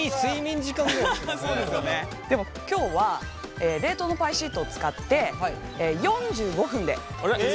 でも今日は冷凍のパイシートを使って４５分で作っていきます。